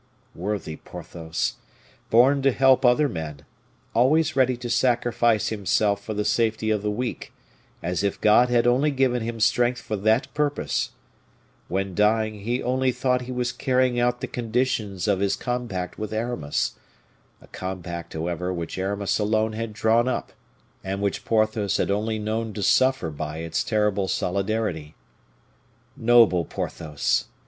Worthy Porthos! born to help other men, always ready to sacrifice himself for the safety of the weak, as if God had only given him strength for that purpose; when dying he only thought he was carrying out the conditions of his compact with Aramis, a compact, however, which Aramis alone had drawn up, and which Porthos had only known to suffer by its terrible solidarity. Noble Porthos!